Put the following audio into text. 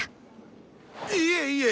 いえいえ！